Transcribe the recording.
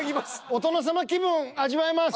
お殿様気分味わえます。